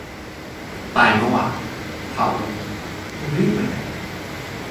ตายเมื่อวาน เผาวันนี้ มึงรีบไปไหน